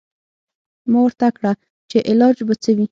ما ورته کړه چې علاج به څه وي.